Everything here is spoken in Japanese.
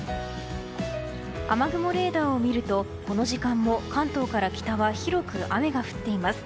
雨雲レーダーを見るとこの時間も関東から北は広く雨が降っています。